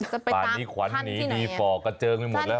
ป่านนี้ขวัญหนีดีฝ่อกระเจิงไปหมดแล้ว